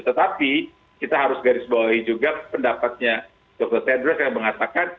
tetapi kita harus garis bawahi juga pendapatnya dr sedrus yang mengatakan